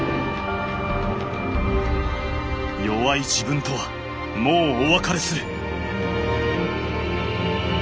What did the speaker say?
弱い自分とはもうお別れする。